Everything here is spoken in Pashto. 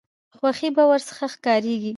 خوښي به ورڅخه ښکاریږي.